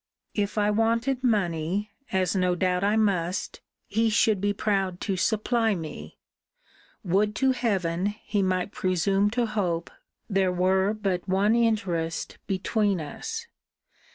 'If I wanted money, as no doubt I must, he should be proud to supply me: Would to heaven, he might presume to hope, there were but one interest between us!'